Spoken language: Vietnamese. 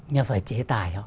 nhưng phải chế tài